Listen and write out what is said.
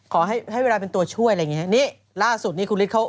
ขอให้ให้เวลาเป็นตัวช่วยอะไรอย่างเงี้ฮะนี่ล่าสุดนี้คุณฤทธิเขา